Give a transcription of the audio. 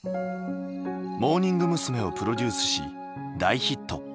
モーニング娘。をプロデュースし大ヒット。